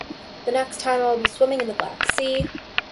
This time next week I will be swimming in the Black Sea.